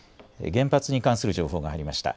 原発に関する情報が入りました。